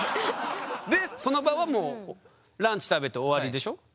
でその場はもうランチ食べて終わりでしょ？